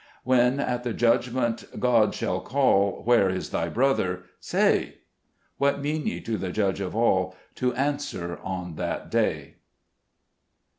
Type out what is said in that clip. " When, at the Judgment, God shall call, " Where is thy brother ?"— say ! What mean ye to the Judge of all To answer, on that day?